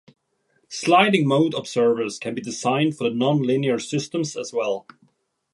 Sliding mode observers can be designed for the non-linear systems as well.